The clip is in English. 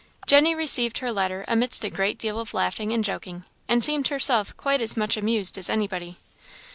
Jenny received her letter amidst a great deal of laughing and joking, and seemed herself quite as much amused as anybody.